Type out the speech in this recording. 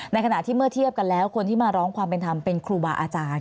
ในขณะที่เมื่อเทียบกันแล้วคนที่มาร้องความเป็นธรรมเป็นครูบาอาจารย์